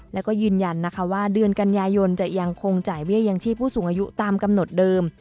แล้วก็ยืนยันนะคะว่าเดือนกันยายนจะยังคงจ่ายเบี้ยยังชีพผู้สูงอายุตามกำหนดเดิม